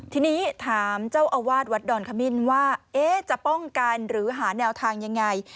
ทีนี้ถามเจ้าอาวาสวัดดอนขมิ้นว่าจะป้องกันหรือหาแนวทางยังไง